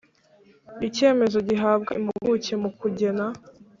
Icyemezo gihabwa impuguke mu kugena